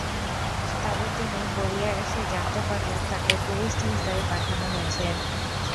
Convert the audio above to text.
তবে তিনি কোরিয়া এসেই জানতে পারলেন, তাঁকে টুরিস্ট ভিসায় পাঠানো হয়েছে।